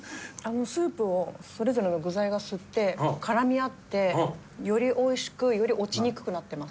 スープをそれぞれの具材が吸って絡み合ってより美味しくより落ちにくくなってます。